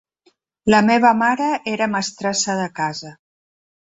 La meva mare era mestressa de casa.